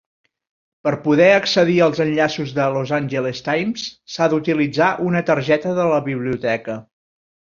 Per poder accedir als enllaços de "Los Angeles Times" s"ha d"utilitzar una targeta de la biblioteca.